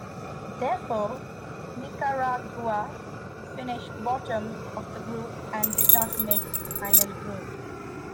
Therefore, Nicaragua finished bottom of the group and did not make the final group.